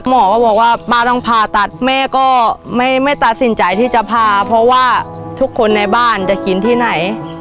หมอก็บอกว่าป้าต้องผ่าตัดแม่ก็ไม่ตัดสินใจที่จะพาเพราะว่าทุกคนในบ้านจะกินที่ไหน